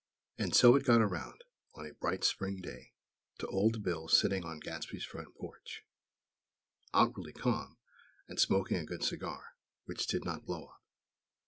And so it got around, on a bright Spring day, to Old Bill sitting on Gadsby's front porch; outwardly calm, and smoking a good cigar (which didn't blow up!)